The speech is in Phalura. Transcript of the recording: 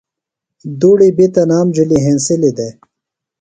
دُڑیۡ بیۡ تنام جُھلیۡ ہینسِلی دےۡ